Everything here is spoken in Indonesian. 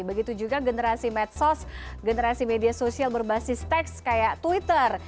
begitu juga generasi medsos generasi media sosial berbasis teks kayak twitter